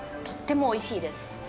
とっても美味しいです。